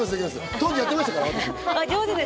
当時やってましたから私。